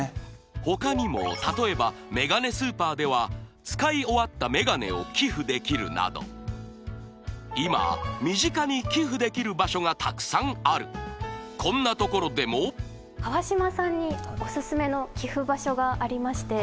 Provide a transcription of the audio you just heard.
ほかにも例えばメガネスーパーでは使い終わったメガネを寄付できるなど今身近に寄付できる場所がたくさんあるこんなところでも川島さんにおすすめの寄付場所がありまして